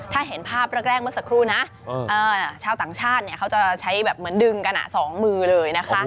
ถ้าเห็นภาพแรกเมื่อสักครู่นะชาวต่างชาติเขาจะใช้แบบเหมือนดึงกัน๒มือเลยนะคะ